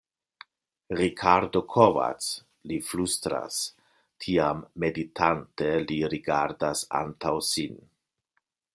Rikardo Kovacs li flustras; tiam meditante li rigardas antaŭ sin.